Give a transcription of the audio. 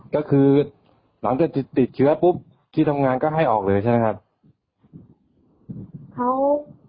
ก็คือหลังจากติดเชื้อปุ๊บที่ทำงานก็ให้ออกเลยใช่ไหมครับ